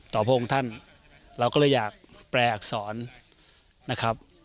พระองค์ท่านเราก็เลยอยากแปลอักษรนะครับ